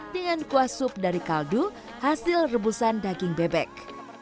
dengan kuah sup dari kaldu hasil rebusan daging bebek